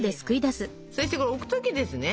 そしてこれ置く時ですね